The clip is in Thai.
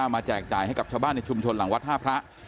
แจกจ่ายให้กับชาวบ้านในชุมชนหลังวัดท่าพระ